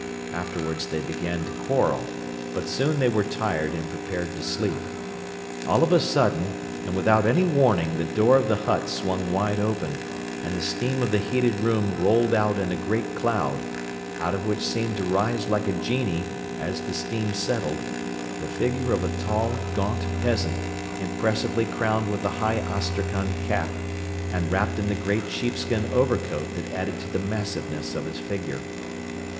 Afterwards they began to quarrel but soon they were tired and prepared to sleep. All of a sudden and without any warning the door of the hut swung wide open and the steam of the heated room rolled out in a great cloud, out of which seemed to rise like a genie, as the steam settled, the figure of a tall, gaunt peasant impressively crowned with the high Astrakhan cap and wrapped in the great sheepskin overcoat that added to the massiveness of his figure.